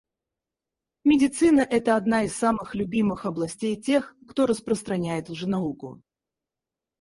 Медицина — это одна из самых любимых областей тех, кто распространяет лженауку.